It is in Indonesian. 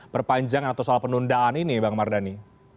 perpanjangan atau soal penundaan ini bang mardhani